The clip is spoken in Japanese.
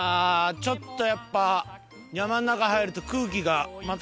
ちょっとやっぱ山の中入ると空気がまた。